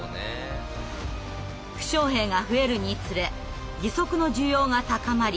負傷兵が増えるにつれ義足の需要が高まり